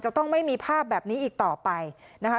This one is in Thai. ต้องไม่มีภาพแบบนี้อีกต่อไปนะคะ